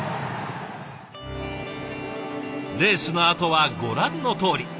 レースのあとはご覧のとおり。